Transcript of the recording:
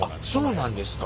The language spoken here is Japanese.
そうなんですか。